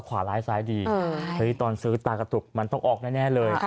ขวาร้ายซ้ายดีตอนซื้อตากระตุกมันต้องออกแน่เลย